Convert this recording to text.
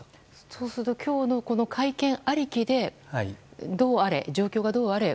そうすると今日の会見ありきで状況がどうあれ